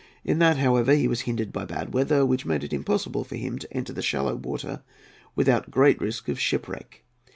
In that, however, he was hindered by bad weather, which made it impossible for him to enter the shallow water without great risk of shipwreck.